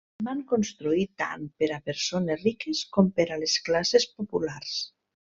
Se'n van construir tant per a persones riques com per a les classes populars.